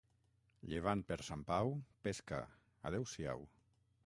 Llevant per Sant Pau, pesca, adeu-siau.